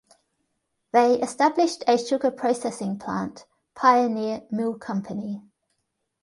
They established a sugar-processing plant, Pioneer Mill Company.